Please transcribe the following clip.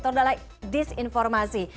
hoks adalah disinformasi